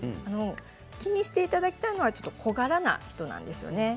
気にしていただきたいのはちょっと小柄な人なんですよね。